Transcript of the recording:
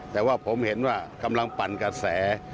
แต่ว่าผมเห็นว่ากำลังปั่นกระแส